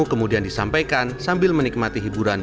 kemudian disampaikan sambil menikmati hiburan